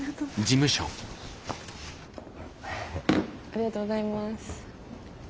ありがとうございます。